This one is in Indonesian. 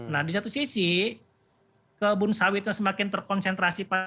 nah di satu sisi kebun sawitnya semakin terkonsentrasi